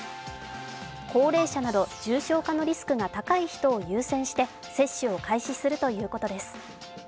高齢者など重症化のリスクが高い人を優先して接種を開始するということです。